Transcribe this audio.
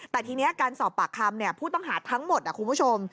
แต่ทีนี้การสอบปากคำผู้ต้องหาทั้งหมดคุณผู้ชม